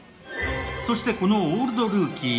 そして、この「オールドルーキー」